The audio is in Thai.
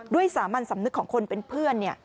ด้วยสามัญสำนึกของคนเป็นเพื่อนเนี่ย